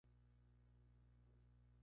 Jugó durante seis temporadas en el club.